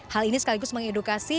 hal ini sekaligus mengedukasi